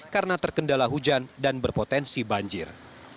karena terkendala hujan dan berpotensi banjir